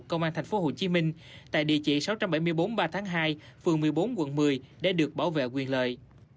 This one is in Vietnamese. công an tp hcm tại địa chỉ sáu trăm bảy mươi bốn ba tháng hai phường một mươi bốn quận một mươi để được bảo vệ quyền lợi